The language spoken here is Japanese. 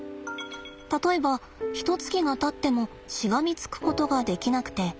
例えばひとつきがたってもしがみつくことができなくて。